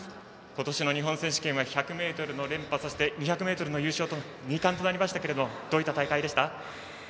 今年の日本選手権は１００ｍの連覇、２００ｍの優勝２冠となりましたがどういった大会でしたか？